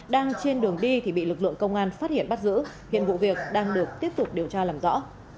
đang trên đường đi thì bị lực lượng công an phát hiện bắt giữ hiện vụ việc đang được tiếp tục điều tra làm rõ